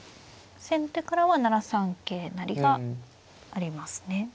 先手からは７三桂成がありますね。